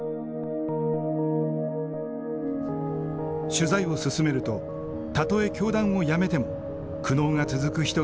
取材を進めるとたとえ教団をやめても苦悩が続く人がいることも見えてきました。